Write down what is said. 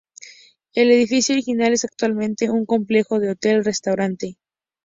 El edificio original es actualmente un complejo de hotel-restaurante.